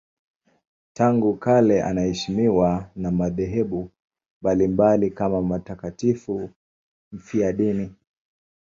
Tangu kale anaheshimiwa na madhehebu mbalimbali kama mtakatifu mfiadini.